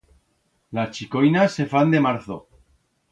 Las chicoinas se fan de marzo.